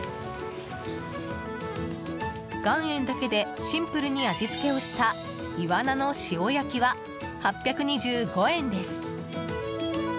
岩塩だけでシンプルに味付けをしたイワナの塩焼きは８２５円です。